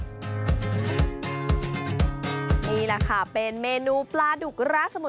นี่แหละค่ะเป็นเมนูปลาดุกร้าสมุย